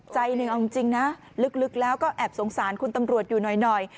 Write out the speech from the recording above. ใจหนึ่งเอาจริงนะลึกแล้วก็แอบสงสารคุณตำรวจอยู่หน่อย